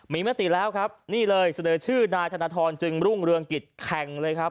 มีมติแล้วครับนี่เลยเสนอชื่อนายธนทรจึงรุ่งเรืองกิจแข่งเลยครับ